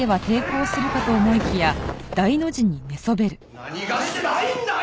何がしたいんだよ